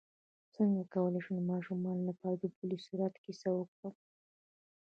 څنګه کولی شم د ماشومانو لپاره د پل صراط کیسه وکړم